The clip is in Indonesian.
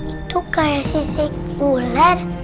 itu kayak sisik ular